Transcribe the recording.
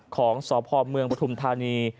ของสพเมืองปฐุมธานี